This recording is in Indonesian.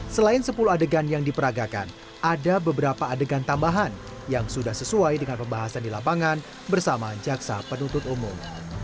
selain sepuluh adegan yang diperagakan ada beberapa adegan tambahan yang sudah sesuai dengan pembahasan di lapangan bersama jaksa penuntut umum